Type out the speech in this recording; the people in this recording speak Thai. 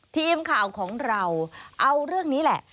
ทีมข่าวของเราเอาเรื่องนี้แหละ